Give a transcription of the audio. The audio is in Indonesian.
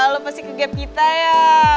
kalau pasti ke gap kita ya